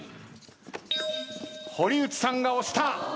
堀内さんが押した。